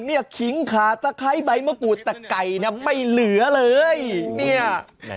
ขิงขาตะไคร้ใบมะกรูดแต่ไก่เนี่ยไม่เหลือเลยเนี่ย